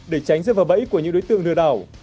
để tránh giữa vợ bẫy của những đối tượng lừa đảo